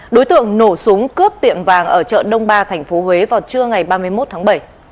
đối tượng nổ súng cướp tiệm vàng ở chợ đông ba tp huế vào trưa ngày ba mươi một tháng bảy